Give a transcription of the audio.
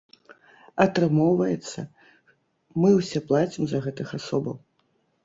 Атрымоўваецца, мы ўсе плацім за гэтых асобаў.